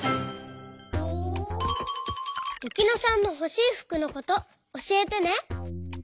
ゆきのさんのほしいふくのことおしえてね。